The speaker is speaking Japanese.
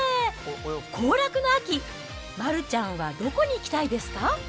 行楽の秋、丸ちゃんはどこに行きたいですか？